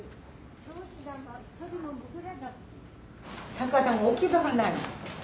魚が置き場がない。